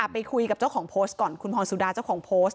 ไปคุยกับเจ้าของโพสต์ก่อนคุณพรสุดาเจ้าของโพสต์